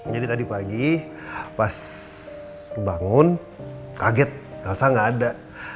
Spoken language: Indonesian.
jadi tadi pagi pas bangun kaget gak usah gak ada